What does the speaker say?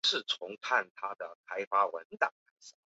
同庆帝是嗣德帝的养子。